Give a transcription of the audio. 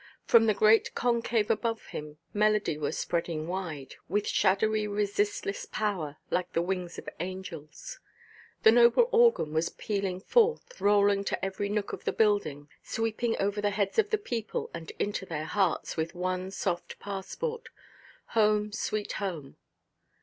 From the great concave above him, melody was spreading wide, with shadowy resistless power, like the wings of angels. The noble organ was pealing forth, rolling to every nook of the building, sweeping over the heads of the people and into their hearts (with one soft passport), "Home, sweet home!"